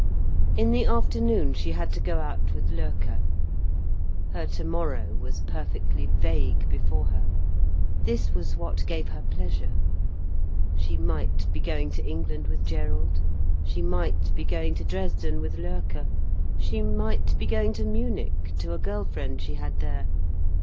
In the afternoon she had to go out with Loerke. Her tomorrow was perfectly vague before her. This was what gave her pleasure. She might be going to England with Gerald, she might be going to Dresden with Loerke, she might be going to Munich, to a girl friend she had there.